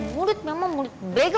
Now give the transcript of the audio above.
mulut mama mulut bego